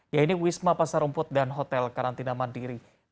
yaitu wisma pasar rumput dan hotel karantina mandiri